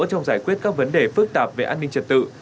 trong giải quyết các vấn đề phức tạp về an ninh trật tự